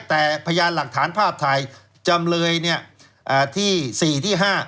แต่พยาบาลหลักฐานภาพไทยจำเลยเนี่ยอ่าที่สี่ที่ห้า